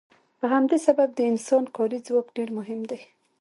په همدې سبب د انسان کاري ځواک ډیر مهم دی.